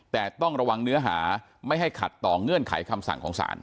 แต่ต้องระวังเนื้อหาไม่ให้ขัดต่อเงื่อนไขคำสั่งของศาล